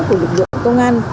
của lực lượng công an